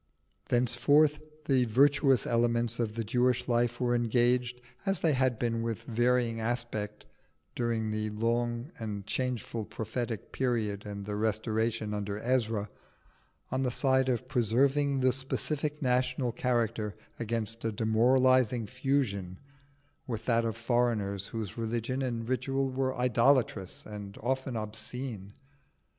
Thenceforth the virtuous elements of the Jewish life were engaged, as they had been with varying aspects during the long and changeful prophetic period and the restoration under Ezra, on the side of preserving the specific national character against a demoralising fusion with that of foreigners whose religion and ritual were idolatrous and often obscene.